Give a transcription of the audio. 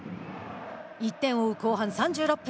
１点を追う後半３６分。